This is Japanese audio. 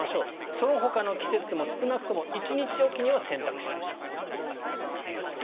そのほかの季節でも少なくとも１日おきには洗濯しましょうと。